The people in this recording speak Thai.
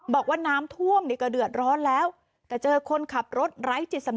บอกว่าน้ำท่วมนี่ก็เดือดร้อนแล้วแต่เจอคนขับรถไร้จิตสำนา